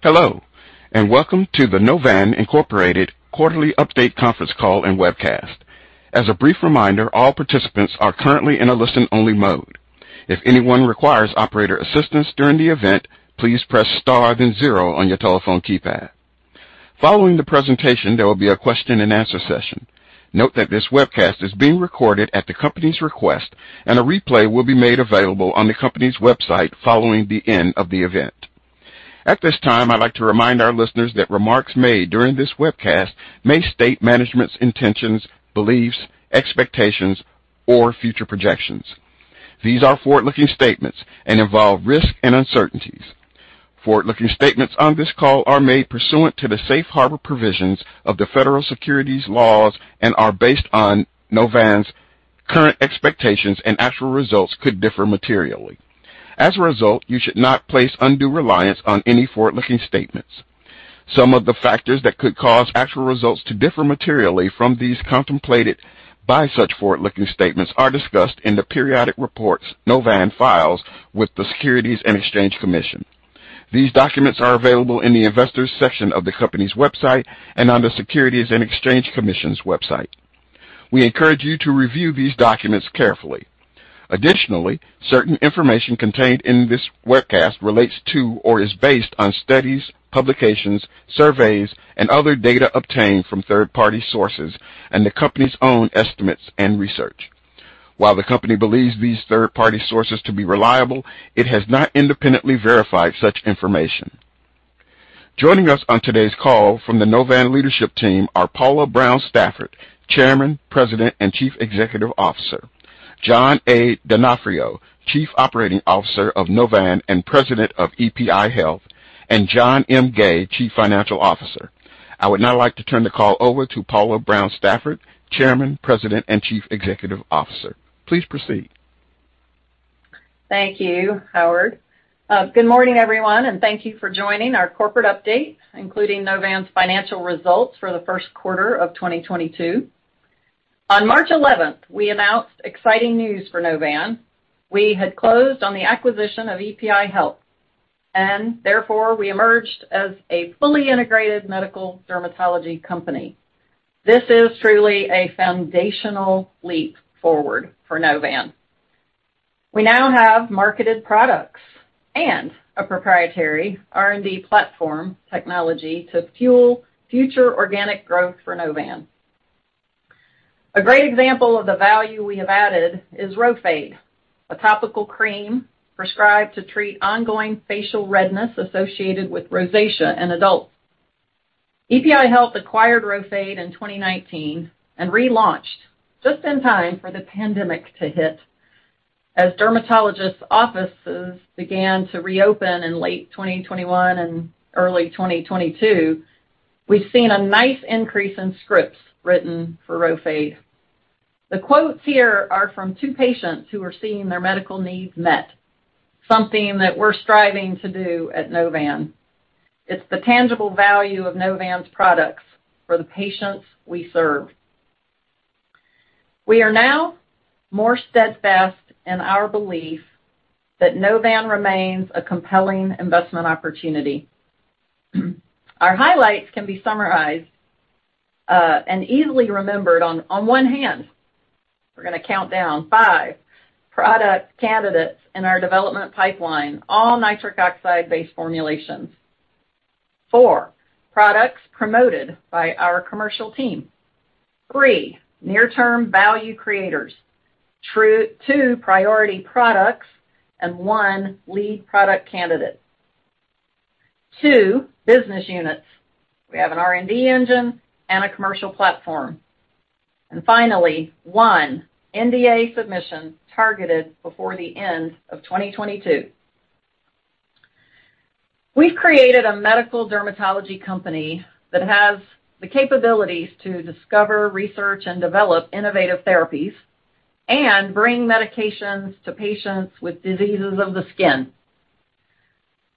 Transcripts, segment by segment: Hello, and welcome to the Novan, Inc. Quarterly Update Conference Call and Webcast. As a brief reminder, all participants are currently in a listen-only mode. If anyone requires operator assistance during the event, please press star then zero on your telephone keypad. Following the presentation, there will be a question and answer session. Note that this webcast is being recorded at the company's request, and a replay will be made available on the company's website following the end of the event. At this time, I'd like to remind our listeners that remarks made during this webcast may state management's intentions, beliefs, expectations, or future projections. These are forward-looking statements and involve risk and uncertainties. Forward-looking statements on this call are made pursuant to the safe harbor provisions of the federal securities laws and are based on Novan's current expectations and actual results could differ materially. As a result, you should not place undue reliance on any forward-looking statements. Some of the factors that could cause actual results to differ materially from these contemplated by such forward-looking statements are discussed in the periodic reports Novan files with the Securities and Exchange Commission. These documents are available in the investors section of the company's website and on the Securities and Exchange Commission's website. We encourage you to review these documents carefully. Additionally, certain information contained in this webcast relates to or is based on studies, publications, surveys, and other data obtained from third-party sources and the company's own estimates and research. While the company believes these third-party sources to be reliable, it has not independently verified such information. Joining us on today's call from the Novan leadership team are Paula Brown Stafford, Chairman, President, and Chief Executive Officer, John A. Donofrio, Chief Operating Officer of Novan and President of EPI Health, and John M. Gay, Chief Financial Officer. I would now like to turn the call over to Paula Brown Stafford, Chairman, President, and Chief Executive Officer. Please proceed. Thank you, Howard. Good morning, everyone, and thank you for joining our corporate update, including Novan's financial results for the first quarter of 2022. On March 11, we announced exciting news for Novan. We had closed on the acquisition of EPI Health, and therefore, we emerged as a fully integrated medical dermatology company. This is truly a foundational leap forward for Novan. We now have marketed products and a proprietary R&D platform technology to fuel future organic growth for Novan. A great example of the value we have added is Rhofade, a topical cream prescribed to treat ongoing facial redness associated with rosacea in adults. EPI Health acquired Rhofade in 2019 and relaunched just in time for the pandemic to hit. As dermatologists' offices began to reopen in late 2021 and early 2022, we've seen a nice increase in scripts written for Rhofade. The quotes here are from two patients who are seeing their medical needs met, something that we're striving to do at Novan. It's the tangible value of Novan's products for the patients we serve. We are now more steadfast in our belief that Novan remains a compelling investment opportunity. Our highlights can be summarized and easily remembered on one hand. We're gonna count down. five, product candidates in our development pipeline, all nitric oxide-based formulations. four, products promoted by our commercial team. three, near-term value creators. two, priority products and one, Lead product candidate. two, business units. We have an R&D engine and a commercial platform. Finally, one, NDA submission targeted before the end of 2022. We've created a medical dermatology company that has the capabilities to discover, research, and develop innovative therapies and bring medications to patients with diseases of the skin.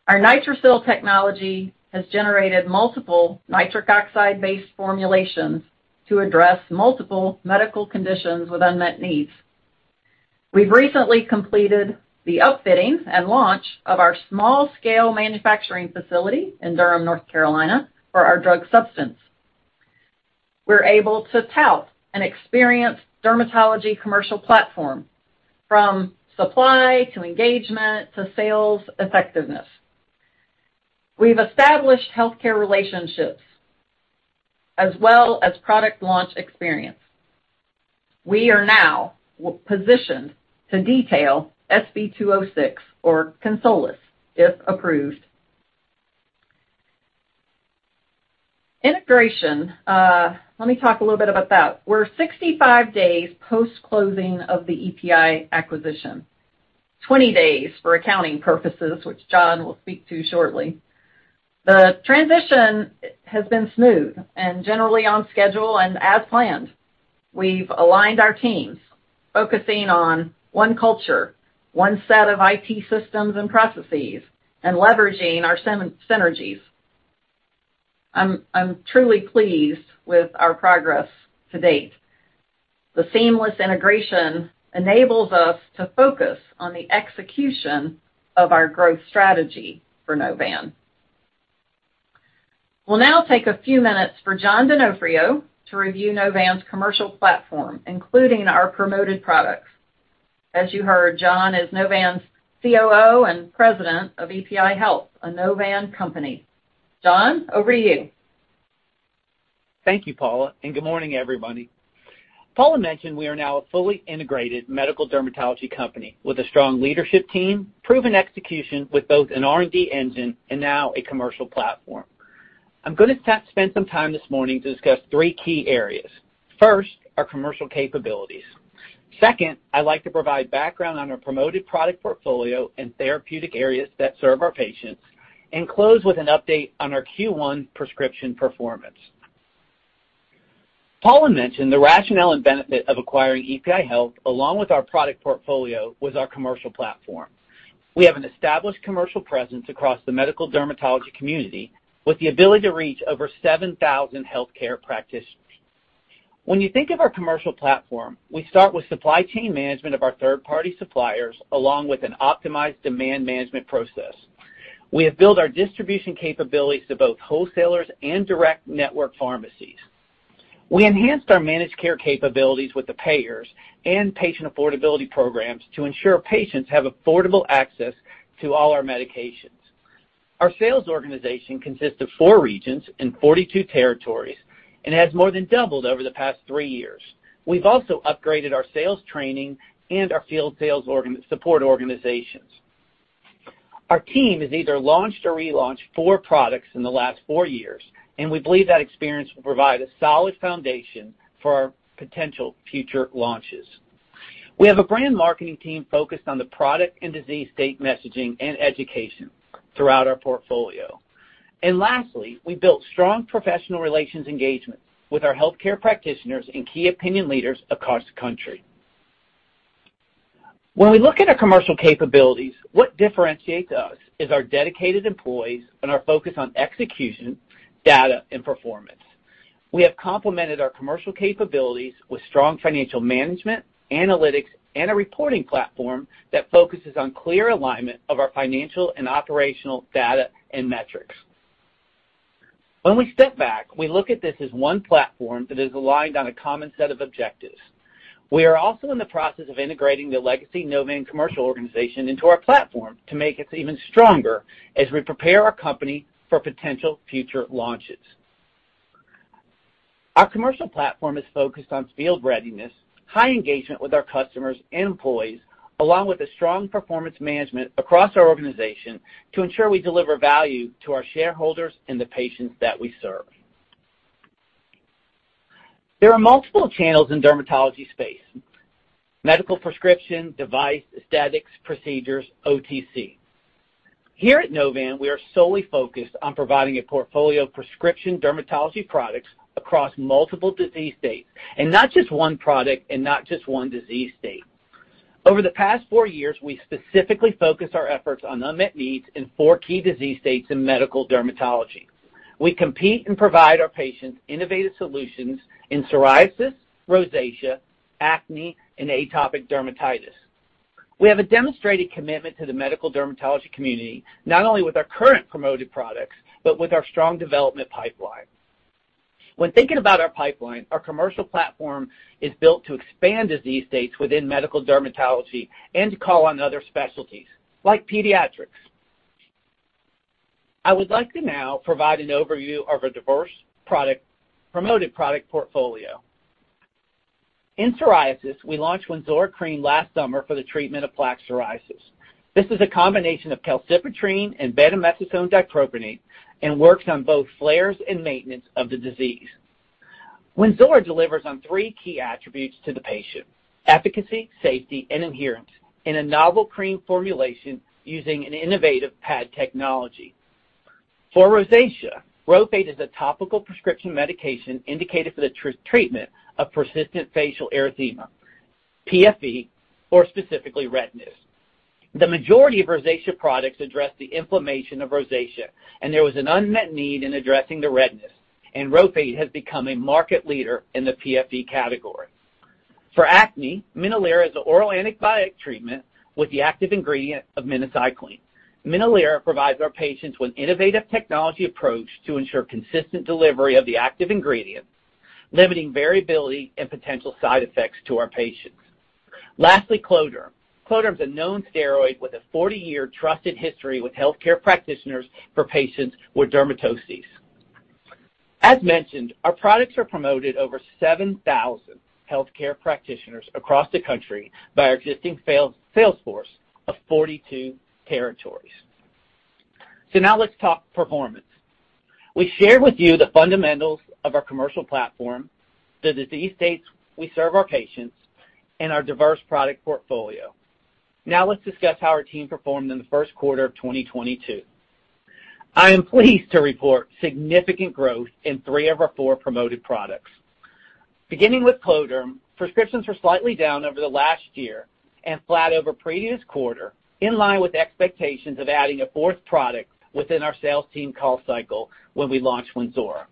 Our NITRICIL technology has generated multiple nitric oxide-based formulations to address multiple medical conditions with unmet needs. We've recently completed the upfitting and launch of our small-scale manufacturing facility in Durham, North Carolina, for our drug substance. We're able to tout an experienced dermatology commercial platform from supply to engagement to sales effectiveness. We've established healthcare relationships as well as product launch experience. We are now positioned to detail SB206 or KINSOLUS, if approved. Integration, let me talk a little bit about that. We're 65 days post-closing of the EPI acquisition. 20 days for accounting purposes, which John will speak to shortly. The transition has been smooth and generally on schedule and as planned. We've aligned our teams, focusing on one culture, one set of IT systems and processes, and leveraging our synergies. I'm truly pleased with our progress to date. The seamless integration enables us to focus on the execution of our growth strategy for Novan. We'll now take a few minutes for John A. Donofrio to review Novan's commercial platform, including our promoted products. As you heard, John is Novan's COO and President of EPI Health, a Novan company. John, over to you. Thank you, Paula, and good morning, everybody. Paula mentioned we are now a fully integrated medical dermatology company with a strong leadership team, proven execution with both an R&D engine and now a commercial platform. I'm gonna spend some time this morning to discuss three key areas. First, our commercial capabilities. Second, I'd like to provide background on our promoted product portfolio and therapeutic areas that serve our patients and close with an update on our Q1 prescription performance. Paula mentioned the rationale and benefit of acquiring EPI Health along with our product portfolio was our commercial platform. We have an established commercial presence across the medical dermatology community with the ability to reach over 7,000 healthcare practitioners. When you think of our commercial platform, we start with supply chain management of our third-party suppliers, along with an optimized demand management process. We have built our distribution capabilities to both wholesalers and direct network pharmacies. We enhanced our managed care capabilities with the payers and patient affordability programs to ensure patients have affordable access to all our medications. Our sales organization consists of four regions and 42 territories and has more than doubled over the past three years. We've also upgraded our sales training and our field sales support organizations. Our team has either launched or relaunched four products in the last four years, and we believe that experience will provide a solid foundation for our potential future launches. We have a brand marketing team focused on the product and disease state messaging and education throughout our portfolio. Lastly, we built strong professional relations engagement with our healthcare practitioners and key opinion leaders across the country. When we look at our commercial capabilities, what differentiates us is our dedicated employees and our focus on execution, data, and performance. We have complemented our commercial capabilities with strong financial management, analytics, and a reporting platform that focuses on clear alignment of our financial and operational data and metrics. When we step back, we look at this as one platform that is aligned on a common set of objectives. We are also in the process of integrating the legacy Novan commercial organization into our platform to make us even stronger as we prepare our company for potential future launches. Our commercial platform is focused on field readiness, high engagement with our customers and employees, along with a strong performance management across our organization to ensure we deliver value to our shareholders and the patients that we serve. There are multiple channels in dermatology space, medical prescription, device, aesthetics, procedures, OTC. Here at Novan, we are solely focused on providing a portfolio of prescription dermatology products across multiple disease states, and not just one product and not just one disease state. Over the past four years, we specifically focused our efforts on unmet needs in four key disease states in medical dermatology. We compete and provide our patients innovative solutions in psoriasis, rosacea, acne, and atopic dermatitis. We have a demonstrated commitment to the medical dermatology community, not only with our current promoted products, but with our strong development pipeline. When thinking about our pipeline, our commercial platform is built to expand disease states within medical dermatology and to call on other specialties, like pediatrics. I would like to now provide an overview of our diverse promoted product portfolio. In psoriasis, we launched Wynzora cream last summer for the treatment of plaque psoriasis. This is a combination of calcipotriene and betamethasone dipropionate and works on both flares and maintenance of the disease. Wynzora delivers on three key attributes to the patient, efficacy, safety, and adherence in a novel cream formulation using an innovative pad technology. For rosacea, Rhofade is a topical prescription medication indicated for the treatment of persistent facial erythema, PFE, or specifically redness. The majority of rosacea products address the inflammation of rosacea, and there was an unmet need in addressing the redness, and Rhofade has become a market leader in the PFE category. For acne, Minolira is an oral antibiotic treatment with the active ingredient of minocycline. Minolira provides our patients with innovative technology approach to ensure consistent delivery of the active ingredient, limiting variability and potential side effects to our patients. Lastly, Cloderm. Cloderm is a known steroid with a 40-year trusted history with healthcare practitioners for patients with dermatoses. As mentioned, our products are promoted over 7,000 healthcare practitioners across the country by our existing sales force of 42 territories. Now let's talk performance. We shared with you the fundamentals of our commercial platform, the disease states we serve our patients, and our diverse product portfolio. Now let's discuss how our team performed in the first quarter of 2022. I am pleased to report significant growth in three of our four promoted products. Beginning with Cloderm, prescriptions were slightly down over the last year and flat over previous quarter, in line with expectations of adding a fourth product within our sales team call cycle when we launched Wynzora.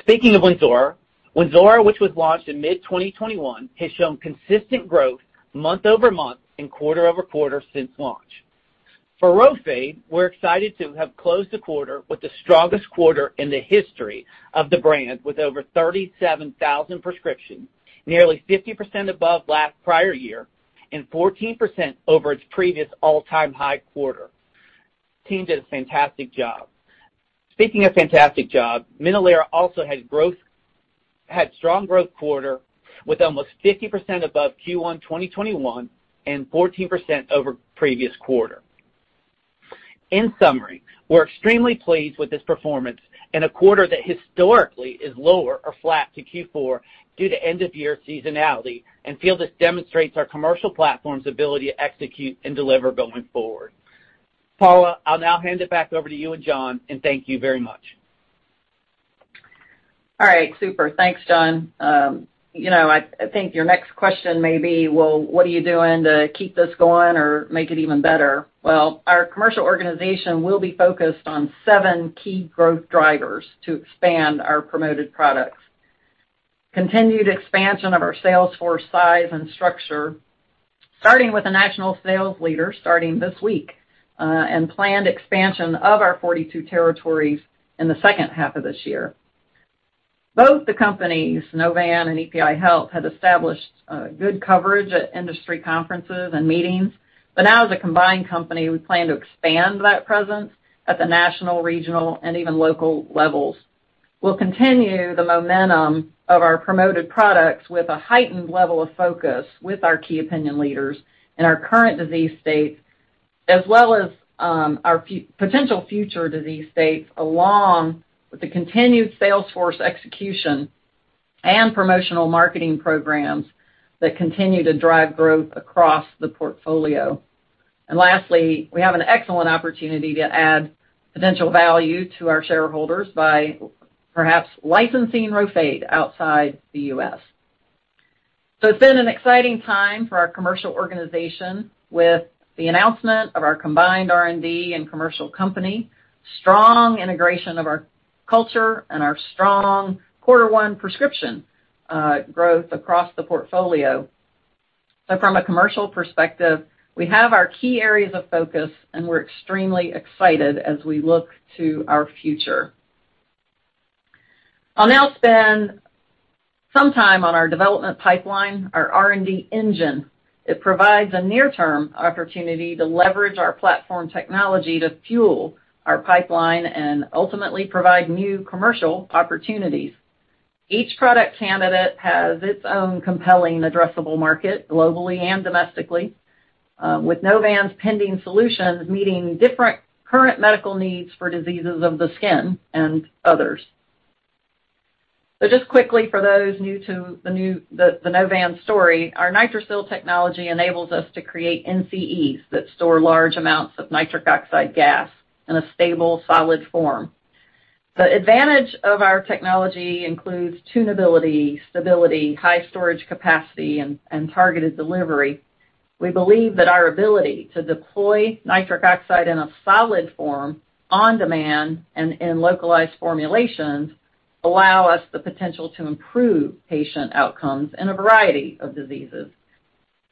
Speaking of Wynzora, which was launched in mid-2021, has shown consistent growth month-over-month and quarter-over-quarter since launch. For Rhofade, we're excited to have closed the quarter with the strongest quarter in the history of the brand, with over 37,000 prescriptions, nearly 50% above last prior year and 14% over its previous all-time high quarter. Team did a fantastic job. Speaking of fantastic job, Minolira also had strong growth quarter with almost 50% above Q1 2021 and 14% over previous quarter. In summary, we're extremely pleased with this performance in a quarter that historically is lower or flat to Q4 due to end-of-year seasonality and feel this demonstrates our commercial platform's ability to execute and deliver going forward. Paula, I'll now hand it back over to you and John, and thank you very much. All right. Super. Thanks, John. You know, I think your next question may be, well, what are you doing to keep this going or make it even better? Well, our commercial organization will be focused on seven key growth drivers to expand our promoted products. Continued expansion of our sales force size and structure, starting with a national sales leader starting this week, and planned expansion of our 42 territories in the second half of this year. Both the companies, Novan and EPI Health, have established good coverage at industry conferences and meetings, but now as a combined company, we plan to expand that presence at the national, regional, and even local levels. We'll continue the momentum of our promoted products with a heightened level of focus with our key opinion leaders in our current disease states, as well as our potential future disease states, along with the continued sales force execution and promotional marketing programs that continue to drive growth across the portfolio. Lastly, we have an excellent opportunity to add potential value to our shareholders by perhaps licensing Rhofade outside the U.S. It's been an exciting time for our commercial organization with the announcement of our combined R&D and commercial company, strong integration of our culture, and our strong quarter one prescription growth across the portfolio. From a commercial perspective, we have our key areas of focus, and we're extremely excited as we look to our future. I'll now spend some time on our development pipeline, our R&D engine. It provides a near-term opportunity to leverage our platform technology to fuel our pipeline and ultimately provide new commercial opportunities. Each product candidate has its own compelling addressable market, globally and domestically, with Novan's pending solutions meeting different current medical needs for diseases of the skin and others. Just quickly for those new to the Novan story, our NITRICIL technology enables us to create NCEs that store large amounts of nitric oxide gas in a stable, solid form. The advantage of our technology includes tunability, stability, high storage capacity, and targeted delivery. We believe that our ability to deploy nitric oxide in a solid form on demand and in localized formulations allow us the potential to improve patient outcomes in a variety of diseases.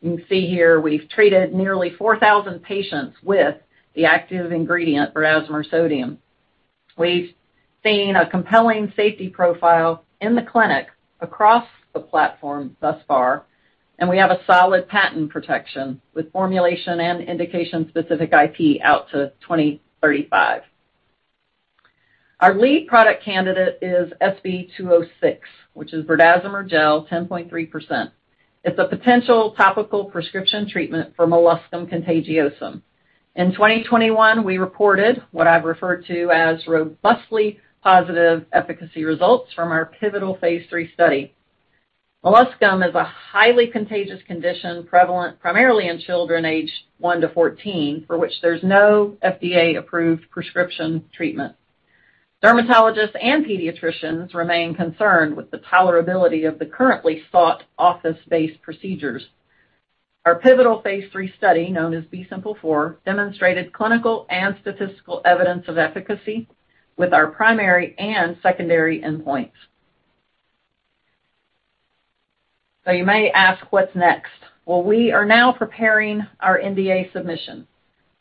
You can see here we've treated nearly 4,000 patients with the active ingredient, berdazimer sodium. We've seen a compelling safety profile in the clinic across the platform thus far, and we have a solid patent protection with formulation and indication-specific IP out to 2035. Our lead product candidate is SB206, which is berdazimer gel 10.3%. It's a potential topical prescription treatment for molluscum contagiosum. In 2021, we reported what I've referred to as robustly positive efficacy results from our pivotal phase III study. Molluscum is a highly contagious condition prevalent primarily in children aged one to 14, for which there's no FDA-approved prescription treatment. Dermatologists and pediatricians remain concerned with the tolerability of the currently sought office-based procedures. Our pivotal phase III study, known as B-SIMPLE4, demonstrated clinical and statistical evidence of efficacy with our primary and secondary endpoints. You may ask, "What's next?" Well, we are now preparing our NDA submission.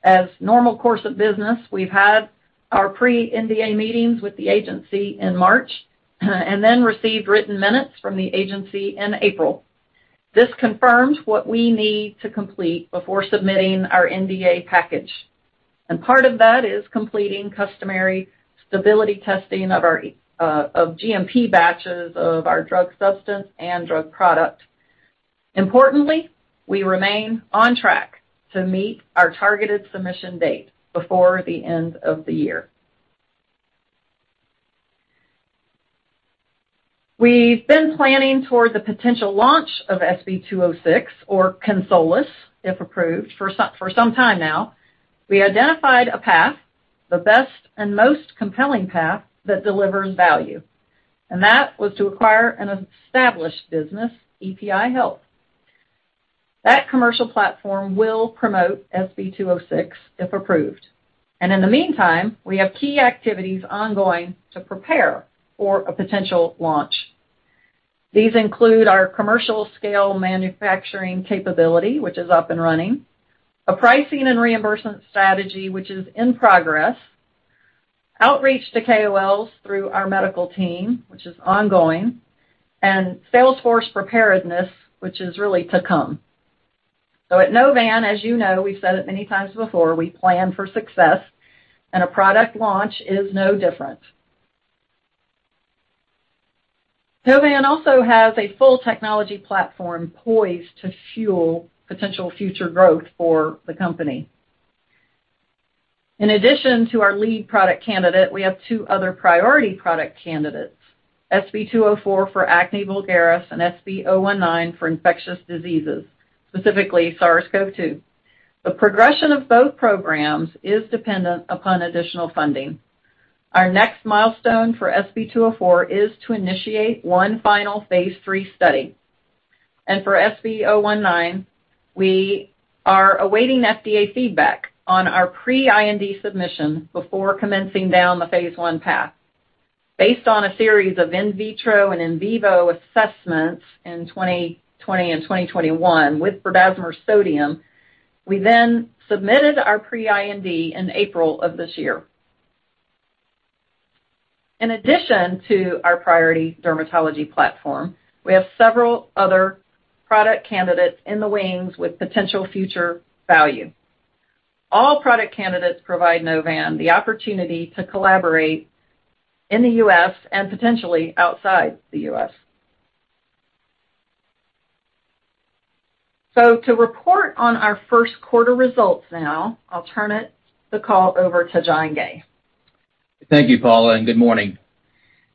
As normal course of business, we've had our pre-NDA meetings with the agency in March and then received written minutes from the agency in April. This confirms what we need to complete before submitting our NDA package, and part of that is completing customary stability testing of GMP batches of our drug substance and drug product. Importantly, we remain on track to meet our targeted submission date before the end of the year. We've been planning toward the potential launch of SB206, or KINSOLUS, if approved, for some time now. We identified the best and most compelling path that delivers value, and that was to acquire an established business, EPI Health. That commercial platform will promote SB206, if approved. In the meantime, we have key activities ongoing to prepare for a potential launch. These include our commercial scale manufacturing capability, which is up and running, a pricing and reimbursement strategy, which is in progress, outreach to KOLs through our medical team, which is ongoing, and sales force preparedness, which is really to come. At Novan, as you know, we've said it many times before, we plan for success, and a product launch is no different. Novan also has a full technology platform poised to fuel potential future growth for the company. In addition to our lead product candidate, we have two other priority product candidates, SB204 for acne vulgaris and SB019 for infectious diseases, specifically SARS-CoV-2. The progression of both programs is dependent upon additional funding. Our next milestone for SB204 is to initiate one final phase III study. For SB019, we are awaiting FDA feedback on our pre-IND submission before commencing down the phase I path. Based on a series of in vitro and in vivo assessments in 2020 and 2021 with berdazimer sodium, we then submitted our pre-IND in April of this year. In addition to our priority dermatology platform, we have several other product candidates in the wings with potential future value. All product candidates provide Novan the opportunity to collaborate in the U.S. and potentially outside the U.S. To report on our first quarter results now, I'll turn the call over to John M. Gay. Thank you, Paula, and good morning.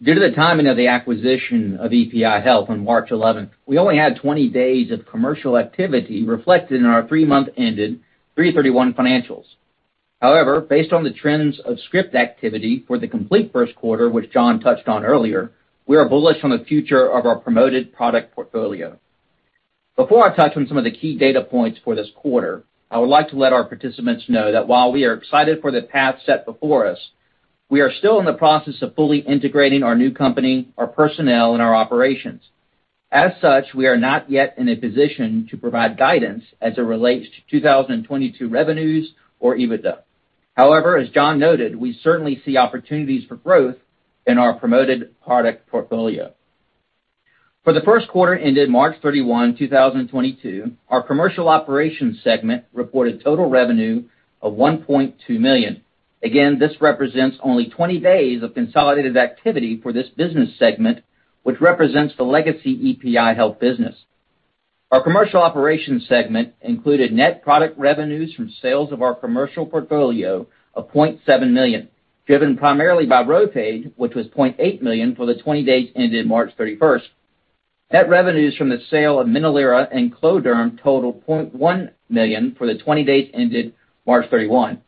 Due to the timing of the acquisition of EPI Health on March 11, we only had 20 days of commercial activity reflected in our three months ended 3/31 financials. However, based on the trends of script activity for the complete first quarter, which John touched on earlier, we are bullish on the future of our promoted product portfolio. Before I touch on some of the key data points for this quarter, I would like to let our participants know that while we are excited for the path set before us, we are still in the process of fully integrating our new company, our personnel, and our operations. As such, we are not yet in a position to provide guidance as it relates to 2022 revenues or EBITDA. However, as John noted, we certainly see opportunities for growth in our promoted product portfolio. For the first quarter ended March 31, 2022, our commercial operations segment reported total revenue of $1.2 million. Again, this represents only 20 days of consolidated activity for this business segment, which represents the legacy EPI Health business. Our commercial operations segment included net product revenues from sales of our commercial portfolio of $0.7 million, driven primarily by Rhofade, which was $0.8 million for the 20 days ended March 31st. Net revenues from the sale of Minolira and Cloderm total $0.1 million for the 20 days ended March 31.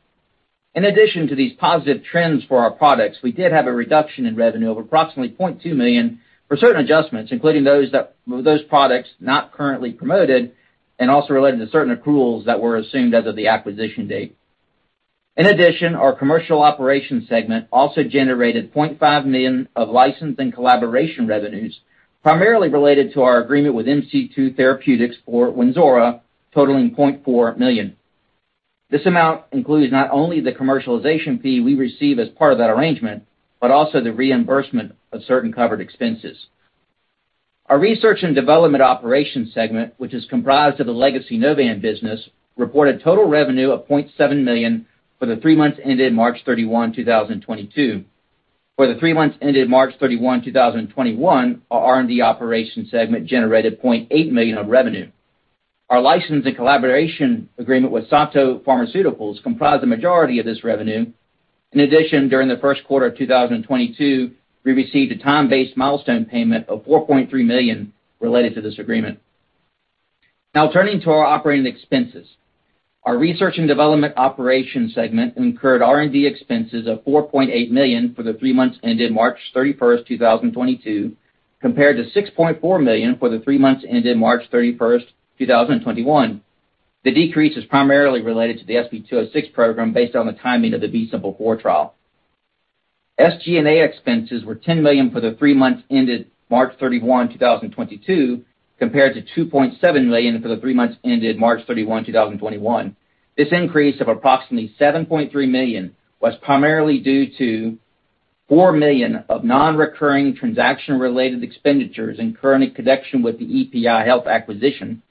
In addition to these positive trends for our products, we did have a reduction in revenue of approximately $0.2 million for certain adjustments, including those products not currently promoted and also related to certain accruals that were assumed as of the acquisition date. In addition, our commercial operations segment also generated $0.5 million of license and collaboration revenues, primarily related to our agreement with MC2 Therapeutics for Wynzora, totaling $0.4 million. This amount includes not only the commercialization fee we receive as part of that arrangement, but also the reimbursement of certain covered expenses. Our research and development operations segment, which is comprised of the legacy Novan business, reported total revenue of $0.7 million for the three months ended March 31, 2022. For the three months ended March 31, 2021, our R&D operations segment generated $0.8 million of revenue. Our license and collaboration agreement with Sato Pharmaceutical comprised the majority of this revenue. In addition, during the first quarter of 2022, we received a time-based milestone payment of $4.3 million related to this agreement. Now turning to our operating expenses. Our research and development operations segment incurred R&D expenses of $4.8 million for the three months ended March 31st, 2022, compared to $6.4 million for the three months ended March 31st, 2021. The decrease is primarily related to the SB206 program based on the timing of the B-SIMPLE4 trial. SG&A expenses were $10 million for the three months ended March 31, 2022, compared to $2.7 million for the three months ended March 31, 2021. This increase of approximately $7.3 million was primarily due to $4 million of non-recurring transaction-related expenditures incurred in connection with the EPI Health acquisition,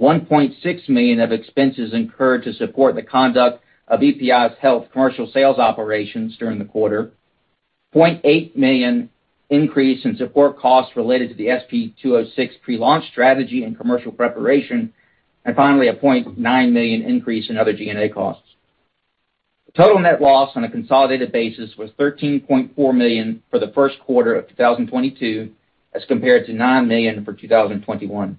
$1.6 million of expenses incurred to support the conduct of EPI Health's commercial sales operations during the quarter, $0.8 million increase in support costs related to the SB206 pre-launch strategy and commercial preparation, and finally, $0.9 million increase in other G&A costs. The total net loss on a consolidated basis was $13.4 million for the first quarter of 2022 as compared to $9 million for 2021.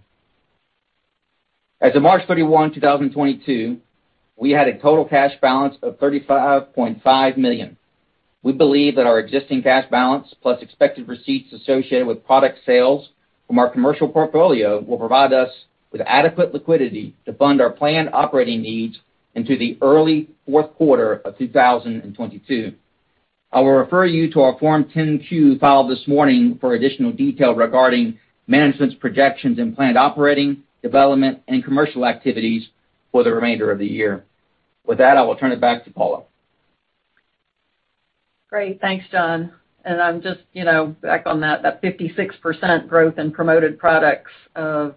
As of March 31, 2022, we had a total cash balance of $35.5 million. We believe that our existing cash balance plus expected receipts associated with product sales from our commercial portfolio will provide us with adequate liquidity to fund our planned operating needs into the early fourth quarter of 2022. I will refer you to our Form 10-Q filed this morning for additional detail regarding management's projections and planned operating, development, and commercial activities for the remainder of the year. With that, I will turn it back to Paula. Great. Thanks, John. I'm just, you know, back on that 56% growth in promoted products of,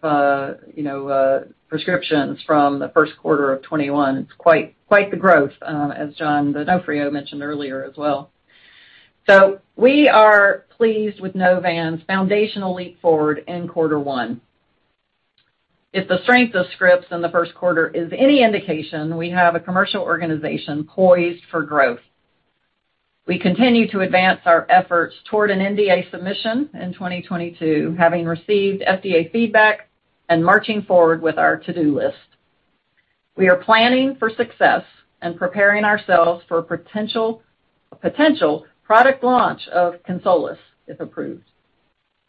you know, prescriptions from the first quarter of 2021. It's quite the growth, as John Donofrio mentioned earlier as well. We are pleased with Novan's foundational leap forward in quarter one. If the strength of scripts in the first quarter is any indication, we have a commercial organization poised for growth. We continue to advance our efforts toward an NDA submission in 2022, having received FDA feedback and marching forward with our to-do list. We are planning for success and preparing ourselves for potential product launch of KINSOLUS, if approved.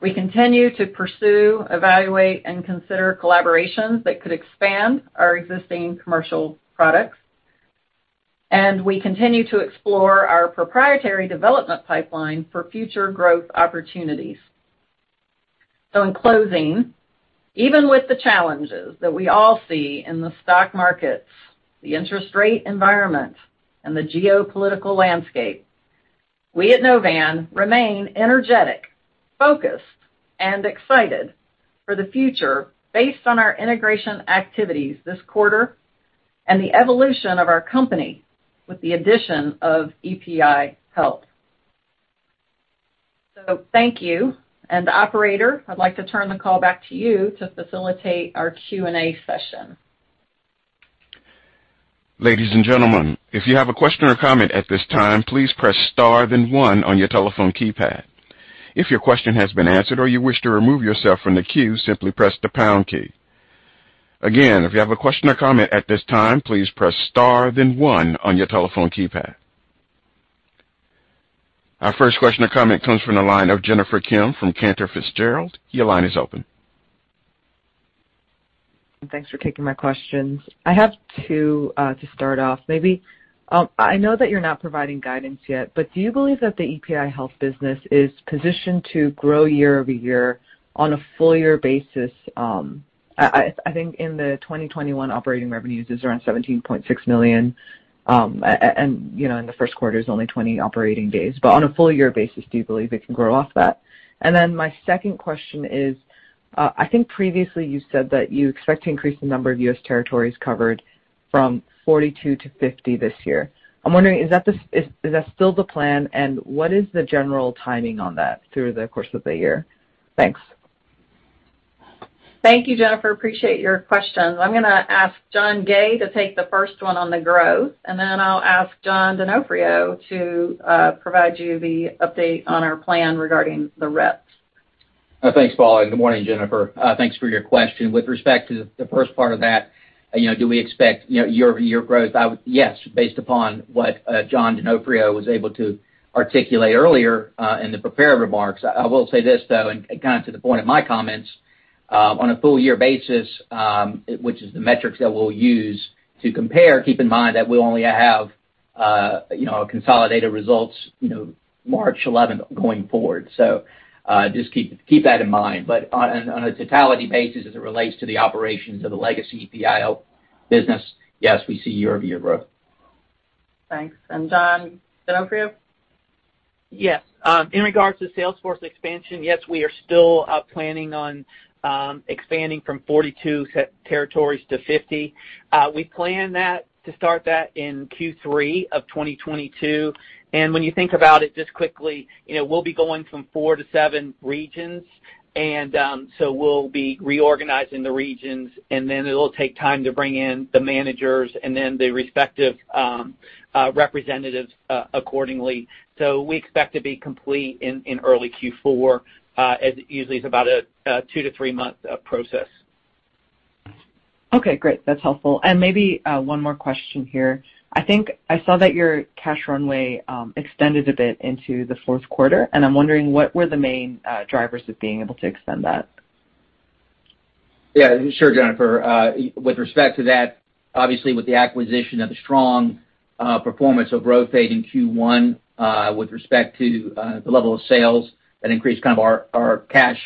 We continue to pursue, evaluate, and consider collaborations that could expand our existing commercial products. We continue to explore our proprietary development pipeline for future growth opportunities. In closing, even with the challenges that we all see in the stock markets, the interest rate environment, and the geopolitical landscape, we at Novan remain energetic, focused, and excited for the future based on our integration activities this quarter and the evolution of our company with the addition of EPI Health. Thank you. Operator, I'd like to turn the call back to you to facilitate our Q&A session. Ladies and gentlemen, if you have a question or comment at this time, please press star then one on your telephone keypad. If your question has been answered or you wish to remove yourself from the queue, simply press the pound key. Again, if you have a question or comment at this time, please press star then one on your telephone keypad. Our first question or comment comes from the line of Jennifer Kim from Cantor Fitzgerald. Your line is open. Thanks for taking my questions. I have two to start off. Maybe I know that you're not providing guidance yet, but do you believe that the EPI Health business is positioned to grow year-over-year on a full year basis? I think in the 2021 operating revenues is around $17.6 million. And you know, in the first quarter is only 20 operating days. But on a full year basis, do you believe it can grow off that? And then my second question is, I think previously you said that you expect to increase the number of U.S. territories covered from 42 to 50 this year. I'm wondering, is that still the plan? And what is the general timing on that through the course of the year? Thanks. Thank you, Jennifer. Appreciate your questions. I'm gonna ask John Gay to take the first one on the growth, and then I'll ask John Donofrio to provide you the update on our plan regarding the reps. Thanks, Paula. Good morning, Jennifer. Thanks for your question. With respect to the first part of that, you know, do we expect, you know, year-over-year growth? I would yes, based upon what John Donofrio was able to articulate earlier in the prepared remarks. I will say this, though, and kind of to the point of my comments, on a full year basis, which is the metrics that we'll use to compare, keep in mind that we'll only have consolidated results, you know, March 11th going forward. Just keep that in mind. On a totality basis as it relates to the operations of the legacy EPI Health business, yes, we see year-over-year growth. Thanks. John Donofrio? Yes. In regards to sales force expansion, yes, we are still planning on expanding from 42 territories to 50. We plan that to start that in Q3 of 2022. When you think about it just quickly, you know, we'll be going from four to seven regions. We'll be reorganizing the regions, and then it'll take time to bring in the managers and then the respective representatives accordingly. We expect to be complete in early Q4, as it usually is about a two to three month process. Okay, great. That's helpful. Maybe, one more question here. I think I saw that your cash runway extended a bit into the fourth quarter, and I'm wondering what were the main drivers of being able to extend that? Yeah, sure, Jennifer. With respect to that, obviously, with the acquisition and the strong performance of Rhofade in Q1, with respect to the level of sales, that increased kind of our cash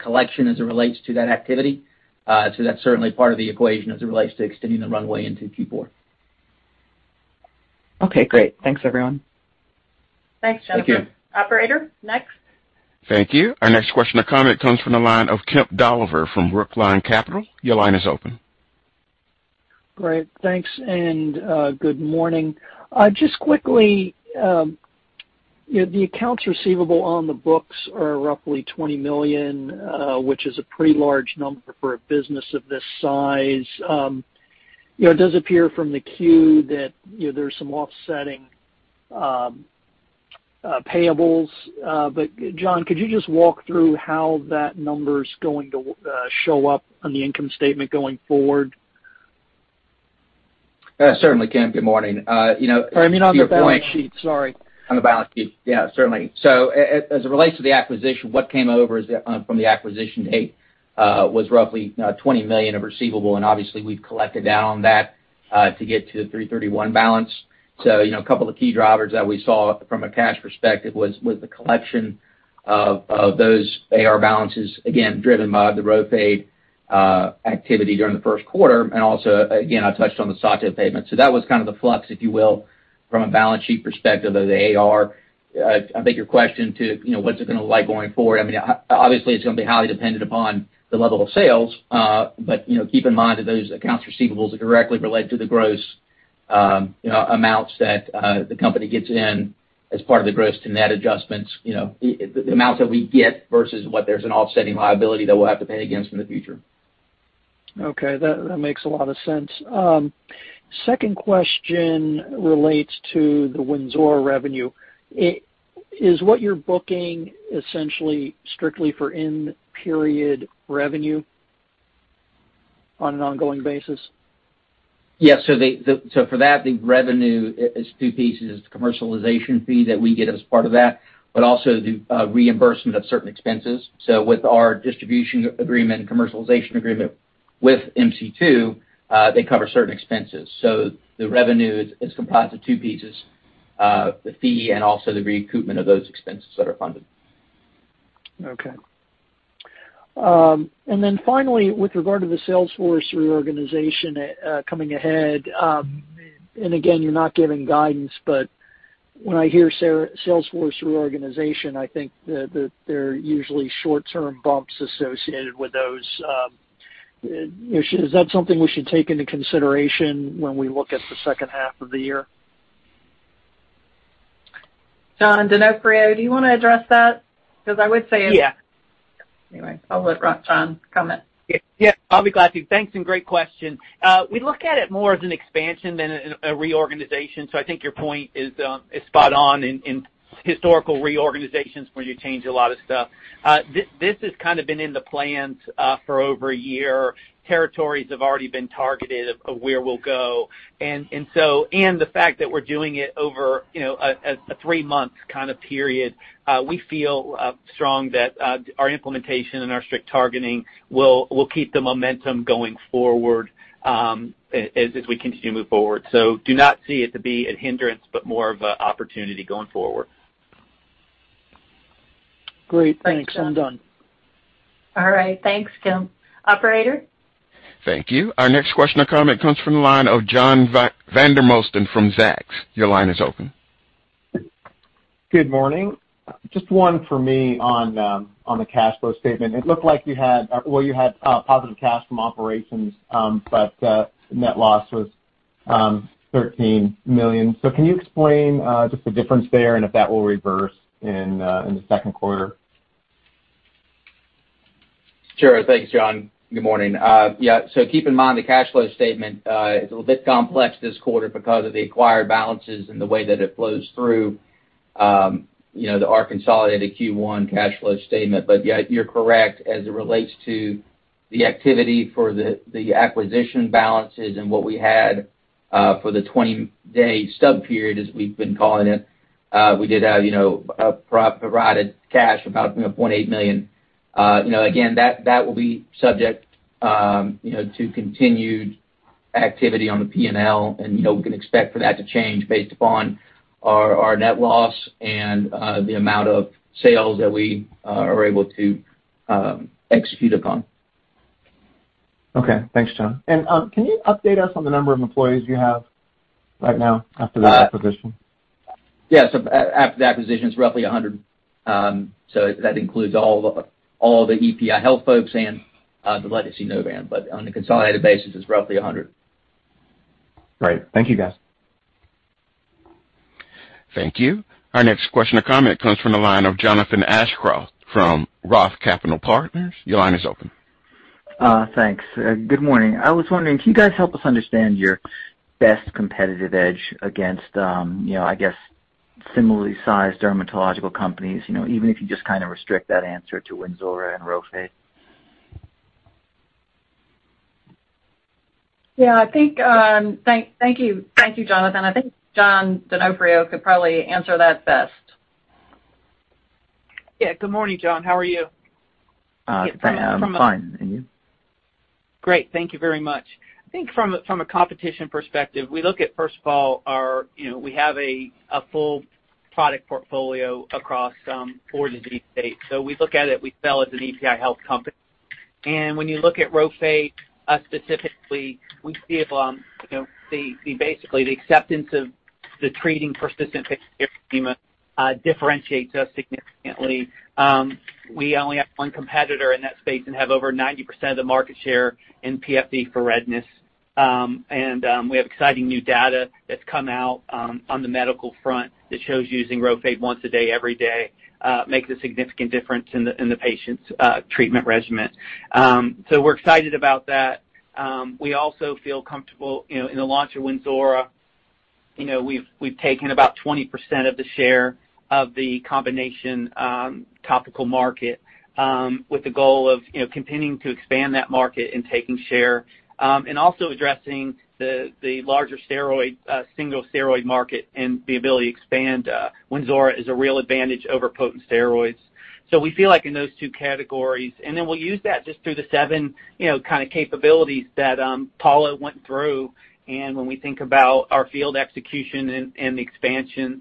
collection as it relates to that activity. That's certainly part of the equation as it relates to extending the runway into Q4. Okay, great. Thanks, everyone. Thanks, Jennifer. Thank you. Operator, next. Thank you. Our next question or comment comes from the line of Kemp Dolliver from Brookline Capital Markets. Your line is open. Great. Thanks, good morning. Just quickly, you know, the accounts receivable on the books are roughly $20 million, which is a pretty large number for a business of this size. You know, it does appear from the Q that, you know, there's some offsetting payables. John, could you just walk through how that number's going to show up on the income statement going forward? Certainly Kemp. Good morning. You know. I mean, on the balance sheet. Sorry. On the balance sheet. Yeah, certainly. As it relates to the acquisition, what came over is the from the acquisition date was roughly $20 million of receivables, and obviously we've collected down on that to get to the 3/31 balance. You know, a couple of key drivers that we saw from a cash perspective was the collection of those AR balances, again, driven by the Rhofade activity during the first quarter. Also, again, I touched on the Sato payment. That was kind of the flux, if you will, from a balance sheet perspective of the AR. I think your question to you know, what's it gonna look like going forward? I mean, obviously, it's gonna be highly dependent upon the level of sales. You know, keep in mind that those accounts receivable are directly related to the gross, you know, amounts that the company gets in as part of the gross to net adjustments, you know, the amount that we get versus what there's an offsetting liability that we'll have to pay against in the future. Okay. That makes a lot of sense. Second question relates to the Wynzora revenue. Is what you're booking essentially strictly for end-period revenue on an ongoing basis? Yes. For that, the revenue is two pieces, the commercialization fee that we get as part of that, but also the reimbursement of certain expenses. With our distribution agreement and commercialization agreement with MC2, they cover certain expenses. The revenue is comprised of two pieces, the fee and also the recoupment of those expenses that are funded. Okay. And then, finally, with regard to the sales force reorganization coming ahead, and again, you're not giving guidance, but when I hear sales force reorganization, I think that they're usually short-term bumps associated with those. Is that something we should take into consideration when we look at the second half of the year? John Donofrio, do you wanna address that? Because I would say it. Yeah. Anyway, I'll let John comment. Yeah. Yeah, I'll be glad to. Thanks, and great question. We look at it more as an expansion than a reorganization. I think your point is spot on in historical reorganizations where you change a lot of stuff. This has kinda been in the plans for over a year. Territories have already been targeted of where we'll go. The fact that we're doing it over, you know, a three-month kind of period, we feel strong that our implementation and our strict targeting will keep the momentum going forward, as we continue to move forward. Do not see it to be a hindrance, but more of an opportunity going forward. Great. Thanks. I'm done. All right. Thanks, Kemp. Operator? Thank you. Our next question or comment comes from the line of John Vandermosten from Zacks. Your line is open. Good morning. Just one for me on the cash flow statement. It looked like you had positive cash from operations, but net loss was $13 million. Can you explain just the difference there and if that will reverse in the second quarter? Sure. Thanks, John. Good morning. Keep in mind, the cash flow statement is a little bit complex this quarter because of the acquired balances and the way that it flows through, you know, our consolidated Q1 cash flow statement. Yeah, you're correct. As it relates to the activity for the acquisition balances and what we had for the 20-day sub-period, as we've been calling it, we did have, you know, provided cash about $0.8 million. You know, again, that will be subject, you know, to continued activity on the P&L, and, you know, we can expect for that to change based upon our net loss and the amount of sales that we are able to execute upon. Okay. Thanks, John. Can you update us on the number of employees you have right now after the acquisition? After the acquisition, it's roughly 100. That includes all the EPI Health folks and the legacy Novan. On a consolidated basis, it's roughly 100. Great. Thank you, guys. Thank you. Our next question or comment comes from the line of Jonathan Aschoff from Roth Capital Partners. Your line is open. Thanks. Good morning. I was wondering, can you guys help us understand your best competitive edge against, you know, I guess, similarly sized dermatological companies, you know, even if you just kinda restrict that answer to Wynzora and Rhofade? Yeah, I think, thank you. Thank you, Jonathan. I think John Donofrio could probably answer that best. Yeah. Good morning, Jon. How are you? Fine. You? Great. Thank you very much. I think from a competition perspective, we look at, first of all, you know, we have a full product portfolio across four disease states. We look at it, we sell as an EPI Health company. When you look at Rhofade, specifically, we see, you know, basically the acceptance of treating persistent erythema differentiates us significantly. We only have one competitor in that space and have over 90% of the market share in PFD for redness. We have exciting new data that's come out on the medical front that shows using Rhofade once a day, every day, makes a significant difference in the patient's treatment regimen. We're excited about that. We also feel comfortable, you know, in the launch of Wynzora. You know, we've taken about 20% of the share of the combination, topical market, with the goal of, you know, continuing to expand that market and taking share, and also addressing the larger steroid, single steroid market and the ability to expand, Wynzora is a real advantage over potent steroids. We feel like in those two categories. We'll use that just through the seven, you know, kind of capabilities that Paula went through. When we think about our field execution and expansion,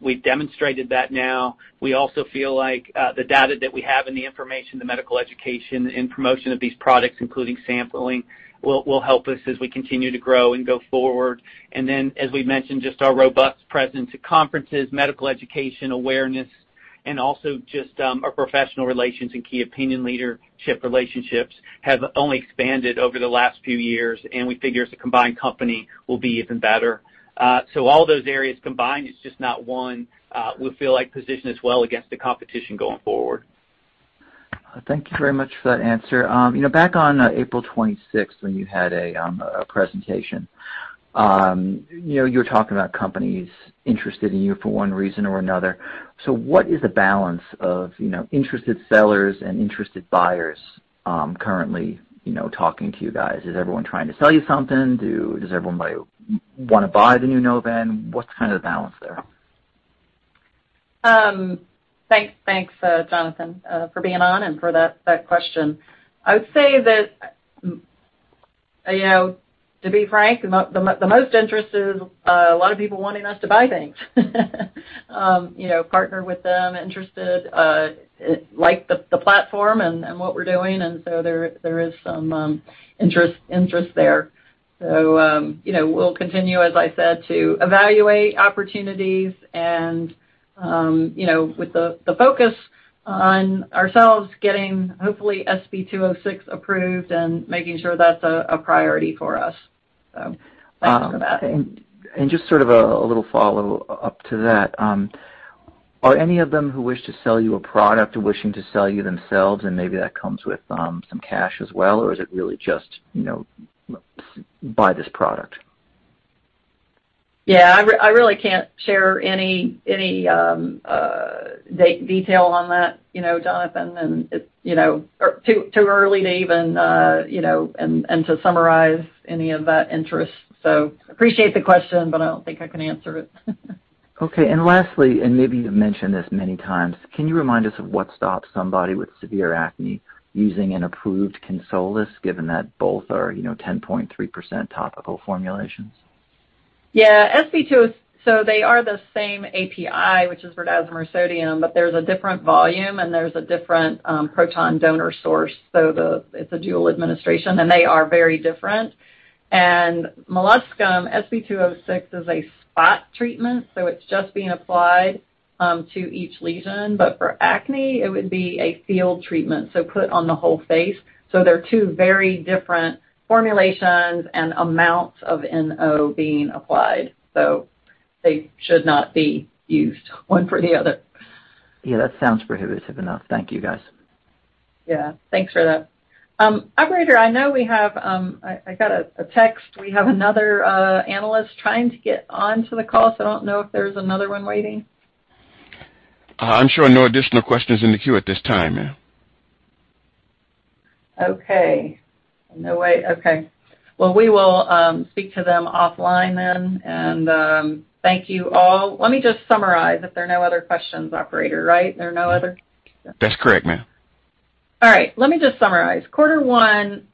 we've demonstrated that now. We also feel like the data that we have and the information, the medical education and promotion of these products, including sampling, will help us as we continue to grow and go forward. As we've mentioned, just our robust presence at conferences, medical education awareness, and also just our professional relations and key opinion leadership relationships have only expanded over the last few years, and we figure as a combined company will be even better. All those areas combined, it's just not one, we feel like positioned as well against the competition going forward. Thank you very much for that answer. You know, back on April 26th when you had a presentation, you know, you were talking about companies interested in you for one reason or another. What is the balance of, you know, interested sellers and interested buyers, currently, you know, talking to you guys? Is everyone trying to sell you something? Does everybody wanna buy the new Novan? What's kind of the balance there? Thanks, Jonathan, for being on and for that question. I would say that, you know, to be frank, the most interest is a lot of people wanting us to buy things. You know, partner with them, interested like the platform and what we're doing, and so there is some interest there. You know, we'll continue, as I said, to evaluate opportunities and, you know, with the focus on ourselves getting hopefully SB206 approved and making sure that's a priority for us. Thanks for that. Just sort of a little follow-up to that. Are any of them who wish to sell you a product wishing to sell you themselves and maybe that comes with some cash as well? Or is it really just, you know, buy this product? Yeah. I really can't share any detail on that, you know, Jonathan. It's, you know, too early to even, you know, to summarize any of that interest. Appreciate the question, but I don't think I can answer it. Okay. Lastly, and maybe you've mentioned this many times, can you remind us of what stops somebody with severe acne using an approved KINSOLUS, given that both are, you know, 10.3% topical formulations? Yeah. They are the same API, which is berdazimer sodium, but there's a different volume, and there's a different proton donor source. It's a dual administration, and they are very different. Molluscum, SB206, is a spot treatment, so it's just being applied to each lesion. For acne it would be a field treatment, so put on the whole face. They're two very different formulations and amounts of NO being applied, so they should not be used one for the other. Yeah, that sounds prohibitive enough. Thank you, guys. Yeah. Thanks for that. Operator, I got a text. We have another analyst trying to get onto the call, so I don't know if there's another one waiting. I'm showing no additional questions in the queue at this time, ma'am. Okay. Well, we will speak to them offline then. Thank you, all. Let me just summarize if there are no other questions, operator, right? There are no other? That's correct, ma'am. All right. Let me just summarize. Quarter one,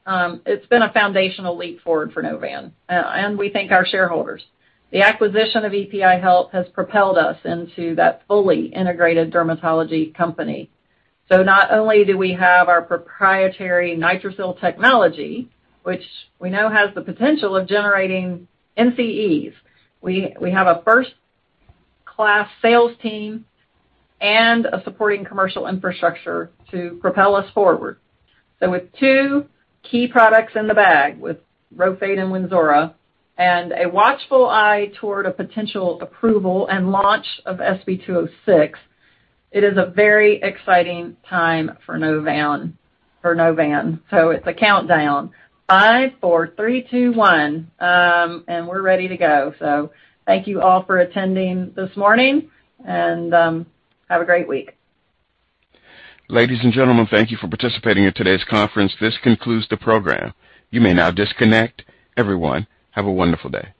it's been a foundational leap forward for Novan, and we thank our shareholders. The acquisition of EPI Health has propelled us into that fully integrated dermatology company. Not only do we have our proprietary NITRICIL technology, which we know has the potential of generating NCEs, we have a first-class sales team and a supporting commercial infrastructure to propel us forward. With two key products in the bag, with Rhofade and Wynzora, and a watchful eye toward a potential approval and launch of SB206, it is a very exciting time for Novan. It's a countdown. 5, 4, 3, 2, 1, and we're ready to go. Thank you all for attending this morning, and have a great week. Ladies and gentlemen, thank you for participating in today's conference. This concludes the program. You may now disconnect. Everyone, have a wonderful day.